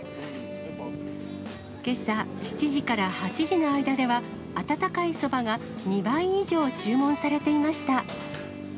けさ７時から８時の間では、温かいそばが２倍以上注文されていました。